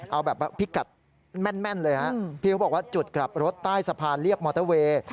เอาแบบพิกัดแม่นเลยฮะพี่เขาบอกว่าจุดกลับรถใต้สะพานเรียบมอเตอร์เวย์